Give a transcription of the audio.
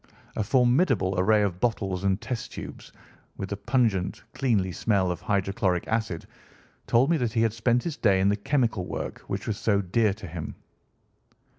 A formidable array of bottles and test tubes, with the pungent cleanly smell of hydrochloric acid, told me that he had spent his day in the chemical work which was so dear to him.